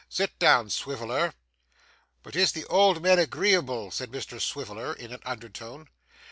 'Sit down, Swiveller.' 'But is the old min agreeable?' said Mr Swiveller in an undertone.